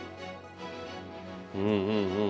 うんうんうん。